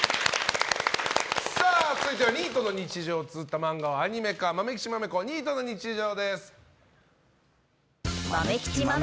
続いてはニートの日常をつづった漫画をアニメ化「まめきちまめこニートの日常」。